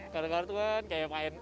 kartu kartuan kayak main